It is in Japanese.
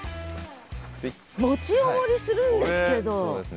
もちあまりするんですけど。